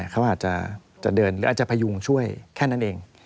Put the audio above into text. เขาอาจจะเดินหรืออาจจะพยุงช่วยแค่นั้นเอง